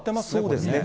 そうですね。